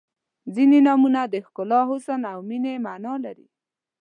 • ځینې نومونه د ښکلا، حسن او مینې معنا لري.